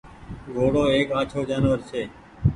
گھوڙو ايڪ آڇو جآنور ڇي